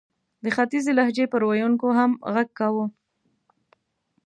د ختیځې لهجې پر ویونکو هم ږغ کاوه.